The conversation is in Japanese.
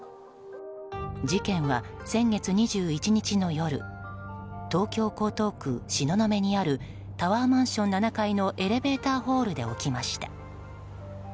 事件は、先月２１日の夜東京・江東区東雲にあるタワーマンション７階のエレベーターホールで起きました。